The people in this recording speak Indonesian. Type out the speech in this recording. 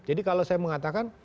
jadi kalau saya mengatakan